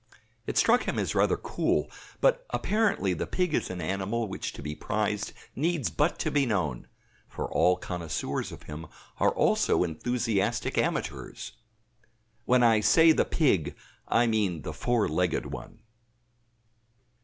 It struck him as rather cool; but apparently the pig is an animal which to be prized needs but to be known, for all connoisseurs of him are also enthusiastic amateurs. When I say the pig I mean the four legged one.